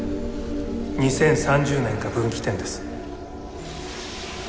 ２０３０年が分岐点です。